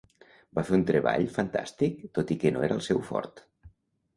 Va fer un treball fantàstic tot i que no era el seu fort.